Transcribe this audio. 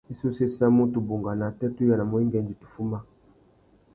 I sú séssamú tu bungana atê tu yānamú wenga indi tu fuma.